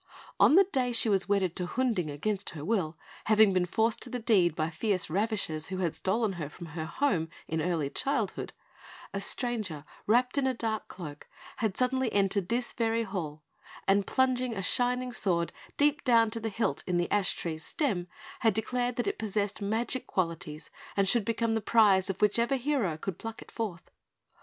On the day she was wedded to Hunding against her will, having been forced to the deed by fierce ravishers who had stolen her from her home in early childhood, a stranger, wrapped in a dark cloak, had suddenly entered this very hall, and plunging a shining sword deep down to the hilt in the ash tree's stem, had declared that it possessed magic qualities, and should become the prize of whichever hero could pluck it forth.